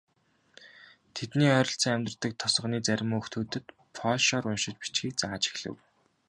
Тэдний ойролцоо амьдардаг тосгоны зарим хүүхдүүдэд польшоор уншиж бичихийг зааж эхлэв.